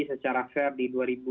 secara fair di